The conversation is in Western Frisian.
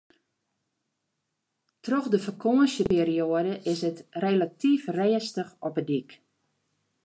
Troch de fakânsjeperioade is it relatyf rêstich op 'e dyk.